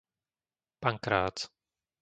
Pankrác